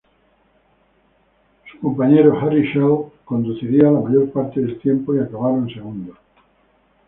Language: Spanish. Su compañero Harry Schell conduciría la mayor parte del tiempo y acabaron segundos.